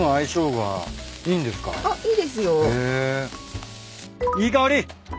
いい香り！